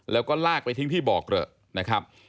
แล้วก็ลากไปทิ้งที่บ่อเกลอะนะครับ